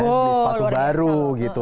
beli sepatu baru gitu